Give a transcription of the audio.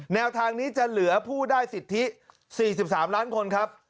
แนวทางนี้จะเหลือผู้ได้สิทธิ๔๓ล้านคนครับ